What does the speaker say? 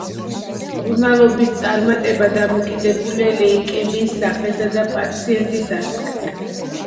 მკურნალობის წარმატება დამოკიდებულია ლეიკემიის სახესა და პაციენტის ასაკზე.